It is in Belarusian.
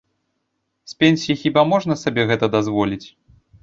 З пенсіі хіба можна сабе гэта дазволіць?